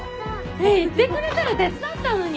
言ってくれたら手伝ったのに。